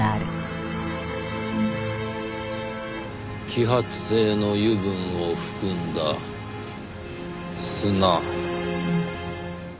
揮発性の油分を含んだ砂。